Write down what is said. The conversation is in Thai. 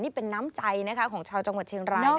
นี่เป็นน้ำใจของชาวจังหวัดเชียงราย